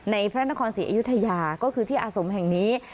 พระนครศรีอยุธยาก็คือที่อาสมแห่งนี้